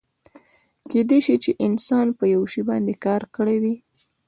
کیدای شي چې انسان په یو شي باندې کار کړی وي.